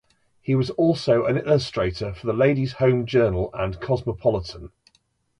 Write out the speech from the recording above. He was also an illustrator for the "Ladies Home Journal" and "Cosmopolitan".